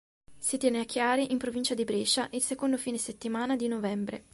Si tiene a Chiari in provincia di Brescia il secondo fine settimana di novembre.